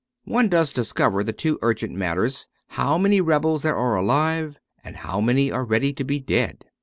One does discover the two urgent matters ; how many rebels there are alive, and how many are ready to be dead.